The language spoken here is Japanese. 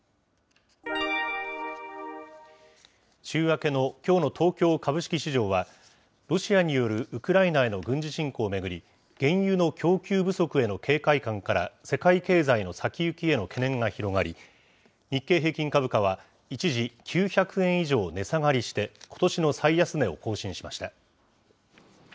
週明けのきょうの東京株式市場は、ロシアによるウクライナへの軍事侵攻を巡り、原油の供給不足への警戒感から世界経済の先行きへの懸念が広がり、日経平均株価は一時９００円以上値下がりして、ことしの最安値を更新しました。